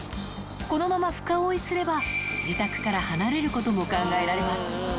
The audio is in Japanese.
このまま深追いすれば、自宅から離れることも考えられます。